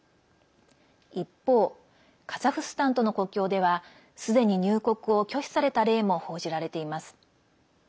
一方、カザフスタンとの国境ではすでに入国を拒否された例も報じられています。